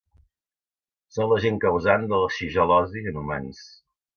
Són l'agent causant de la shigel·losi en humans.